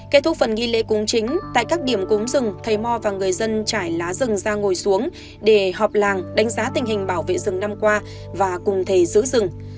kết thúc phần nghi lễ cúng chính tại các điểm cúm rừng thầy mò và người dân trải lá rừng ra ngồi xuống để họp làng đánh giá tình hình bảo vệ rừng năm qua và cùng thầy giữ rừng